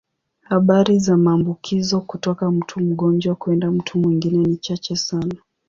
Habari za maambukizo kutoka mtu mgonjwa kwenda mtu mwingine ni chache sana.